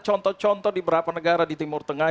contoh contoh di beberapa negara di timur tengah